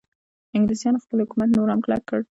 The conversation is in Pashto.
انګلیسانو خپل حکومت نور هم کلک کړ.